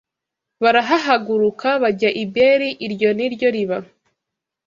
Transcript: Barahahaguruka, bajya i Beri: iryo ni ryo riba